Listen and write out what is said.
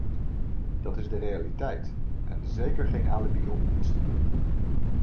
Dat is de realiteit en zeker geen alibi om niets te doen.